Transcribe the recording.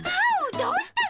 どうしたの？